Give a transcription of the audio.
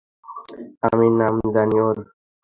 আমি নাম জানি ওর।